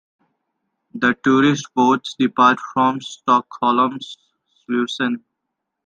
The tourist boats depart from Stockholm's Slussen.